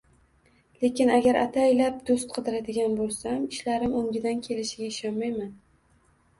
Lekin agar ataylab do‘st qidiradigan bo‘lsam, ishlarim o‘ngidan kelishiga ishonmayman